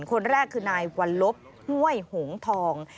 คนแรกคือนายวัลลบห้วยหงทอง